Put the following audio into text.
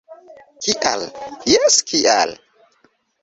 - Kial? - Jes, kial?